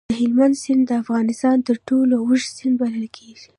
د هلمند سیند د افغانستان تر ټولو اوږد سیند بلل کېږي.